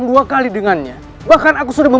saatku bersinipung segera bersamanya